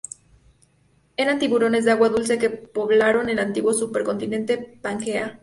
Eran tiburones de agua dulce que poblaron el antiguo supercontinente Pangea.